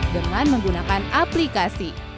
dengan menggunakan aplikasi